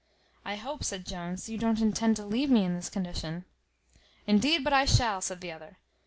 "I hope," said Jones, "you don't intend to leave me in this condition." "Indeed but I shall," said the other.